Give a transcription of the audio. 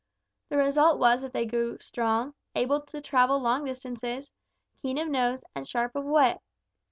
The result was that they grew strong, able to travel long distances, keen of nose, and sharp of wit.